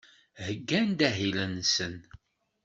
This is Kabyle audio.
Heyyan-d ahil-nsen.